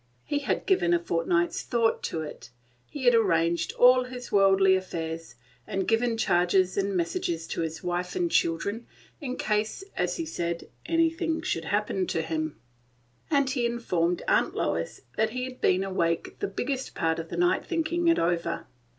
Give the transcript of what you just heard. He had given a fortnight's thought to it; he had arranged all his worldly affairs, and given charges and messages to his wife and children, in case, as he said, "anything should happen to him." And he informed Aunt Lois that he had been awake the biggest part of the night thinking it over.